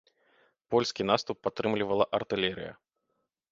Польскі наступ падтрымлівала артылерыя.